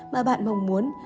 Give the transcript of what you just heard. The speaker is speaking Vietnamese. mà bạn mong muốn